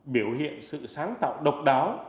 biểu hiện sự sáng tạo độc đáo